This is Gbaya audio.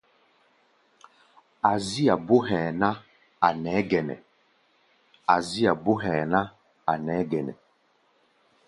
Azía bó hɛ̧ɛ̧ ná, a̧ nɛɛ́ gɛnɛ.